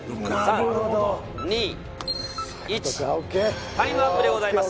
なるほどタイムアップでございます